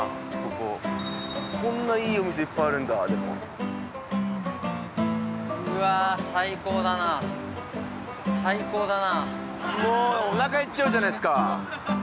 こここんないいお店いっぱいあるんだでもうわあ最高だな最高だなおなかへっちゃうじゃないっすか